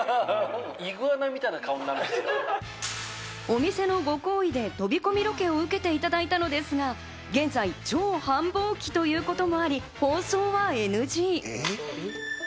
お店のご厚意で飛び込みロケを受けていただいたのですが、現在、超繁忙期ということもあり、放送はＮＧ。